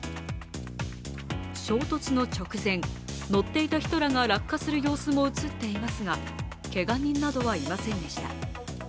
衝突の直前、乗っていた人らが落下する様子も映っていますがけが人などはいませんでした。